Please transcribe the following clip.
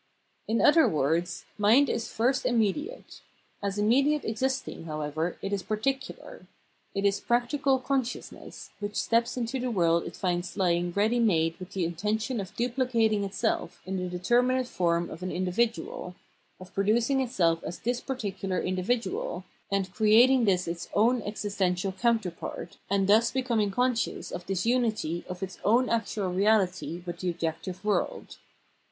In other words, mind is first immed iate. As immediately existing, however, it is par ticular. It is practical consciousness, which steps into the world it finds lying ready made with the intention of duplicating itself in the determinate form of an in dividual, of producing itself as this particular individual, and creating this its own existential counterpart, and thus becoming conscious of this unity of its own actual reahty with the objective world.